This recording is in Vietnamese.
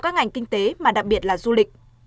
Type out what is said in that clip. các ngành kinh tế mà đặc biệt là du lịch